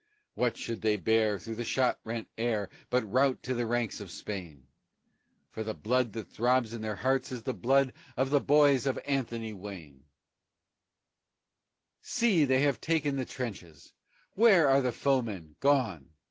What should they bear through the shot rent air but rout to the ranks of Spain, For the blood that throbs in their hearts is the blood of the boys of Anthony Wayne! See, they have taken the trenches! Where are the foemen? Gone!